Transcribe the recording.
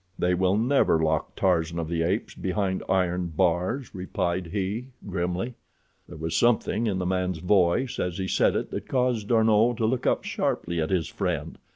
"They will never lock Tarzan of the Apes behind iron bars," replied he, grimly. There was something in the man's voice as he said it that caused D'Arnot to look up sharply at his friend.